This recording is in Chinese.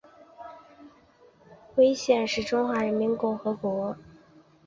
徽县是中华人民共和国甘肃省陇南市下属的一个县。